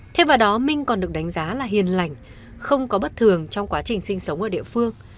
thêm vào đó minh còn được đánh giá là hiền lành không có bất thường trong quá trình sinh sống ở địa phương